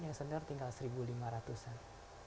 yang senior tinggal satu lima ratus an